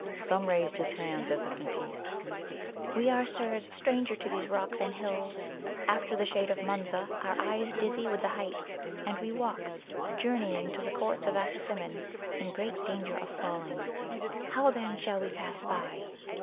Thumb raised his hand as if in peace. "We are, sirs, strangers to these rocks and hills. After the shade of Munza, our eyes dizzy with the heights. And we walk, journeying to the Courts of Assasimmon, in great danger of falling. How, then, shall we pass by?"